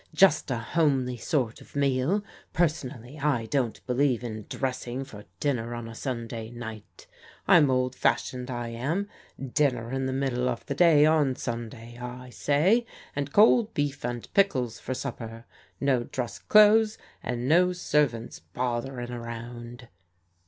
" Just a homely sort of meal. Personally I don't believe in dressing for dinner on a Sunday night. I'm old fashioned, I am. Ditmtt m ^3Qib 71 72 PRODIGAL DAUGHTERS middle of the day on Sunday, I say, and cold beef and pickles for supper. No dress clothes, and no servants botherin' around.